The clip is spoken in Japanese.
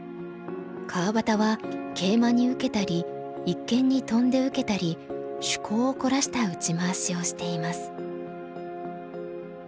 川端はケイマに受けたり一間にトンで受けたり趣向を凝らした打ち回しをしています。